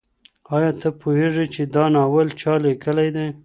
آیا ته پوهېږې چي دا ناول چا لیکلی دی؟